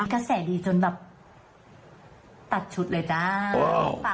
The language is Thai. กระแสดีจนแบบตัดชุดเลยจ้า